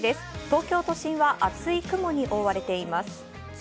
東京都心は厚い雲に覆われています。